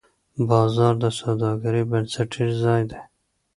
بازار د سوداګرۍ بنسټیز ځای دی.